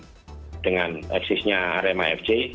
ada yang ketidakpuasaan dengan eksisnya arema fc